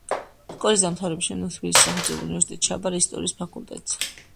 სკოლის დამთავრების შემდეგ თბილისის სახელმწიფო უნივერსიტეტში ჩააბარა ისტორიის ფაკულტეტზე